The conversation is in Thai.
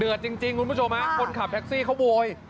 เดือดจริงคุณผู้ชมอ่ะคนขับแพ็คซี่เขาโบย